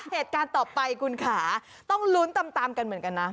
เหตุการณ์ต่อไปคุณค่ะต้องลุ้นตามกันเหมือนกันนะ